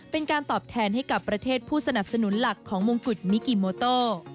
เป็นการตอบแทนให้กับประเทศผู้สนับสนุนหลักของมงกุฎมิกิโมโต